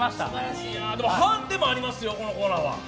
でもハンデもありますよ、このコーナーは。